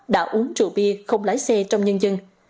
đã uống rượu bia không lái xe trong nhân dân